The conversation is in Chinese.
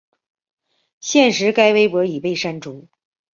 现时该微博已被删除。